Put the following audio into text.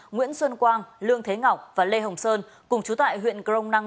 nguyễn xuân quang lương thế ngọc và lê hồng sơn cùng chú tại huyện crong năng